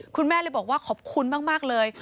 คุณแม่เลยบอกว่าขอบคุณมากเลย